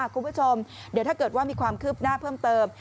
คุณผู้ชมเดี๋ยวถ้าเกิดว่ามีความคืบหน้าเพิ่มเติม